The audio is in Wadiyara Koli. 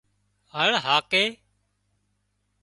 هۯ هاڪي